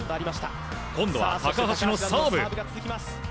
今度は、高橋のサーブ。